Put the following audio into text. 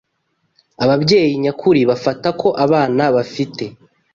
Ababyeyi nyakuri bafata ko abana bafite